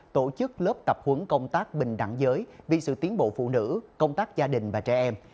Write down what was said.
tổ chức lớp tập huấn công tác bình đẳng giới vì sự tiến bộ phụ nữ công tác gia đình và trẻ em